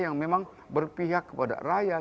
yang memang berpihak kepada rakyat